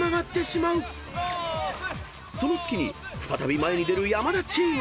［その隙に再び前に出る山田チーム］